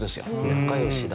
仲良しだ。